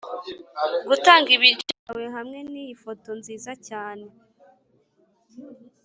gutanga ibiryo byawe hamwe niyi foto nziza cyane.